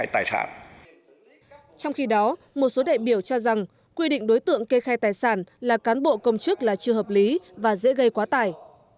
trong khi đó một số đại biểu cho rằng quy định đối tượng kê khai tài sản là cán bộ công chức là chưa hợp lý và dễ gây quá tải